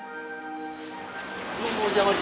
どうもお邪魔します。